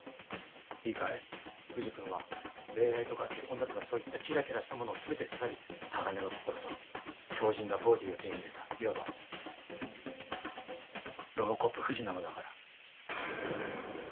いいかい藤君は恋愛とか結婚だとかそういったキラキラしたものを全て捨て去り鋼の心と強靱なボディーを手に入れたいわばロボコップ藤なのだから。